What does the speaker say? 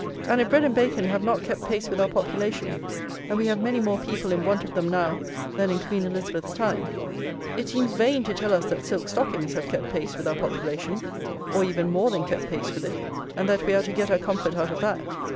And if bread and bacon have not kept pace with our population, and we have many more people in want of them now than in Queen Elizabeth's time, it seems vain to tell us that silk stockings have kept pace with our population, or even more than kept pace with it, and that we are to get our comfort out of that.